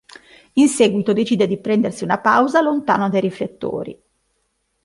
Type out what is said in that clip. In seguito decide di prendersi una pausa lontano dai riflettori.